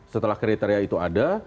setelah kriteria itu ada